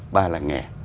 ba là nghè